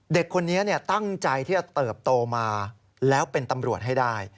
เด็กคนนี้ตั้งใจที่จะเติบโตมาแล้วเป็นตำรวจให้ได้